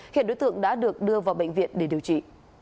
hiện đối tượng đã được đưa vào bệnh viện để điều trị